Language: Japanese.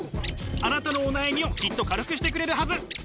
あなたのお悩みをきっと軽くしてくれるはず。